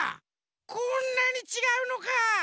こんなにちがうのか。